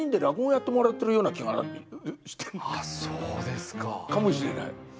そうですか！かもしれない。